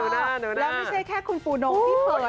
แล้วไม่ใช่แค่คุณผู้โหน่งที่เผลอนะครับ